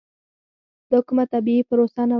دا کومه طبیعي پروسه نه وه.